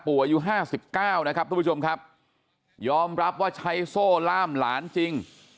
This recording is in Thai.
อายุห้าสิบเก้านะครับทุกผู้ชมครับยอมรับว่าใช้โซ่ล่ามหลานจริง